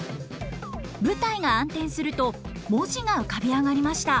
舞台が暗転すると文字が浮かび上がりました。